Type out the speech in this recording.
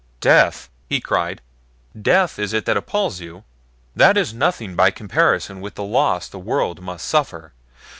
"Death!" he cried. "Death is it that appalls you? That is nothing by comparison with the loss the world must suffer.